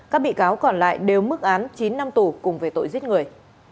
các bị cáo còn lại đều mức án chín năm tù cùng về tội giết người